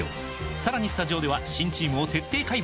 さらにスタジオでは新チームを徹底解剖！